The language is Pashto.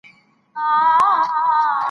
د کانونو استخراج به زموږ ملي اقتصاد پیاوړی کړي.